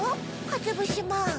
かつぶしまん。